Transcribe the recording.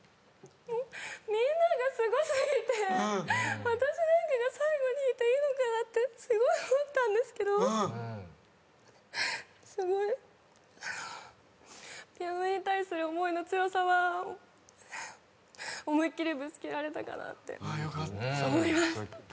みんながすご過ぎて私なんかが最後に弾いていいのかなってすごい思ったんですけどすごいピアノに対する思いの強さは思いっ切りぶつけられたかなって思います。